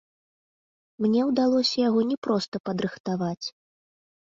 Мне ўдалося яго не проста падрыхтаваць.